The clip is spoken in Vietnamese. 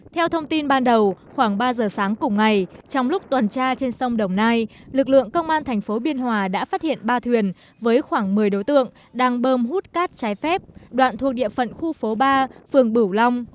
theo thông tin ban đầu khoảng ba giờ sáng cùng ngày trong lúc tuần tra trên sông đồng nai lực lượng công an thành phố biên hòa đã phát hiện ba thuyền với khoảng một mươi đối tượng đang bơm hút cát trái phép đoạn thuộc địa phận khu phố ba phường bửu long